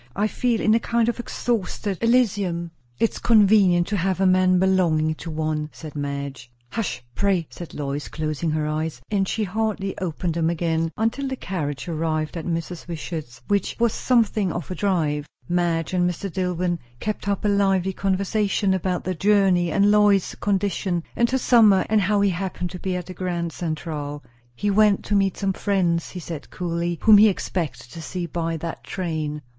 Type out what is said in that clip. I feel in a kind of exhausted Elysium!" "It's convenient to have a man belonging to one," said Madge. "Hush, pray!" said Lois, closing her eyes. And she hardly opened them again until the carriage arrived at Mrs. Wishart's, which was something of a drive. Madge and Mr. Dillwyn kept up a lively conversation, about the journey and Lois's condition, and her summer; and how he happened to be at the Grand Central. He went to meet some friends, he said coolly, whom he expected to see by that train.